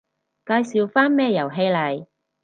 介紹返咩遊戲嚟